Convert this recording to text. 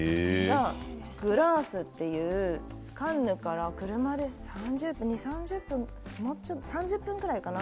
グラースというカンヌから車で２０分から３０分ぐらいかな